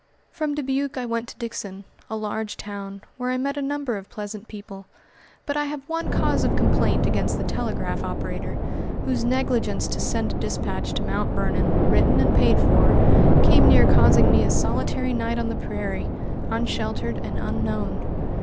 From Dubuque I went to Dixon, a large town, where I met a number of pleasant people, but I have one cause of complaint against the telegraph operator, whose negligence to send a dispatch to Mt. Vernon, written and paid for, came near causing me a solitary night on the prairie, unsheltered and unknown.